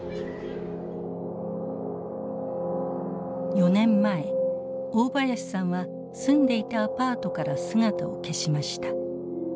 ４年前大林さんは住んでいたアパートから姿を消しました。